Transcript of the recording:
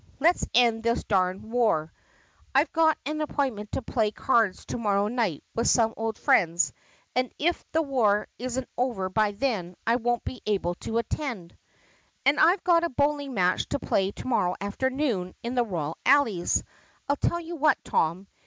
Let 's end this darned war. I 've got an appointment to play cards to morrow night with some old friends and if the war is n't over by then I won't be able to attend." "And I 've a bowling match to play to morrow afternoon in the royal alleys. I 'll tell you what, Tom.